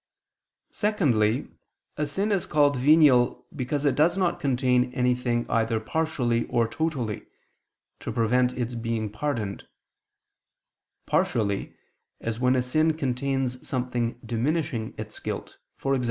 Secondly, a sin is called venial because it does not contain anything either partially or totally, to prevent its being pardoned: partially, as when a sin contains something diminishing its guilt, e.g.